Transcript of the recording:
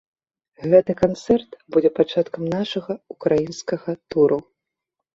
Гэты канцэрт будзе пачаткам нашага ўкраінскага туру.